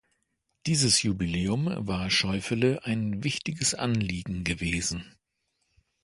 Dieses Jubiläum war Schäufele ein wichtiges Anliegen gewesen.